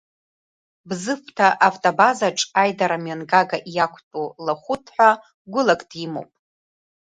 Бзыԥҭа автобазаҿ аидарамҩангага иақәтәоу Лахәыҭ ҳәа гәылак димоуп.